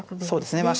そうですね。